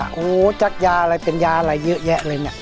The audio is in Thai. โอ้โหจากยาอะไรเป็นยาอะไรเยอะแยะเลยเนี่ย